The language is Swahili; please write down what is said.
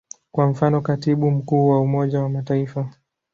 Kwa mfano, Katibu Mkuu wa Umoja wa Mataifa.